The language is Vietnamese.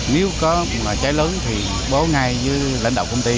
nếu có cháy lớn thì báo ngay với lãnh đạo công ty